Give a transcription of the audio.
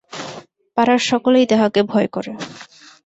পাড়ার সকলেই তাহাকে ভয় করে।